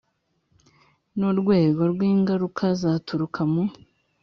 N urwego rw ingaruka zaturuka mu